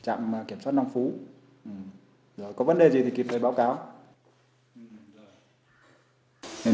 có vấn đề gì thì kịp để báo cáo